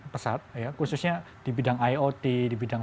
pesat ya khususnya di bidang iot di bidang